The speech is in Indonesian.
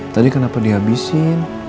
tadi kenapa dihabisin